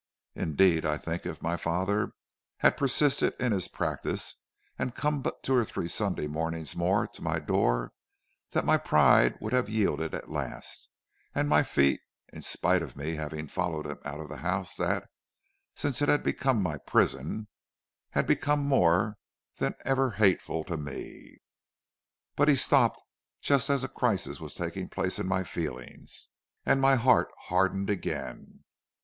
Indeed, I think if my father had persisted in his practice and come but two or three Sunday mornings more to my door, that my pride would have yielded at last, and my feet in spite of me have followed him out of a house that, since it had become my prison, had become more than ever hateful to me. But he stopped just as a crisis was taking place in my feelings, and my heart hardened again.